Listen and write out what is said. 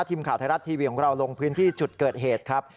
ทีมข่าวไทยรัฐทีวีของเราลงพื้นที่จุดเกิดเหตุครับ